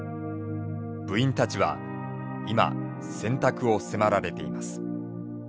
部員たちは今選択を迫られています。